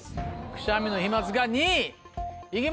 くしゃみの飛沫が２位いきます。